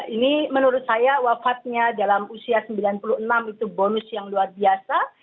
ini menurut saya wafatnya dalam usia sembilan puluh enam itu bonus yang luar biasa